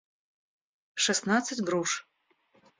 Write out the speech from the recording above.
шестнадцать груш